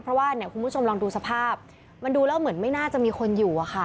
เพราะว่าเนี่ยคุณผู้ชมลองดูสภาพมันดูแล้วเหมือนไม่น่าจะมีคนอยู่อะค่ะ